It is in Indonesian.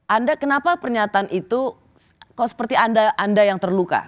anda kenapa pernyataan itu kok seperti anda yang terluka